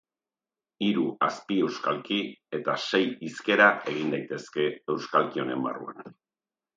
Hiru azpieuskalki eta sei hizkera egin daitezke euskalki honen barruan.